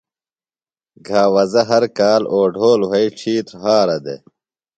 گھاوزہ ہر کال اوڈھول وھئی ڇھیتر ہارہ دے۔